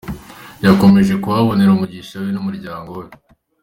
Yakomeje kuhabonera umugisha we n’umuryango we.